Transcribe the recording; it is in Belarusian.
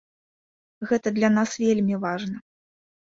Гэта для нас вельмі важна.